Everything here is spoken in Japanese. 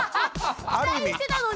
期待してたのに。